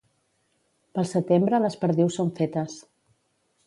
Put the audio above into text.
Pel setembre les perdius són fetes.